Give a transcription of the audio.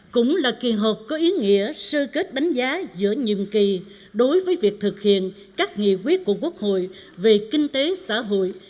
cũng là kỳ họp có ý nghĩa sơ kết đánh giá giữa nhiệm kỳ đối với việc thực hiện các nghị quyết của quốc hội về kinh tế xã hội